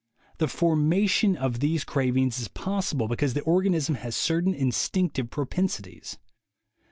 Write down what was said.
The formation of these cravings is possible because the organism has certain instinctive propensities.